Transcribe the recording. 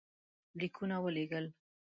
لیکونه ولېږل.